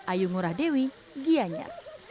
ayu murah dewi giyanya